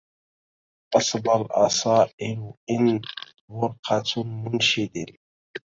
أصبا الأصائل إن برقة منشد